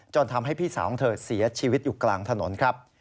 ทำให้พี่สาวของเธอเสียชีวิตอยู่กลางถนนครับ